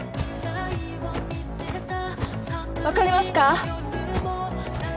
分かりますか？